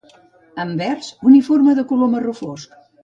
Anvers uniforme de color marró fosc.